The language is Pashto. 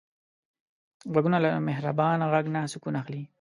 غوږونه له مهربان غږ نه سکون اخلي